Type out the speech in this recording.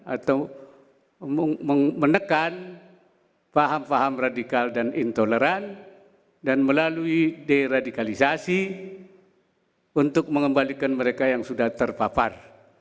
atau menekan paham paham radikal dan intoleran dan melalui deradikalisasi untuk mengembalikan mereka yang sudah terpapar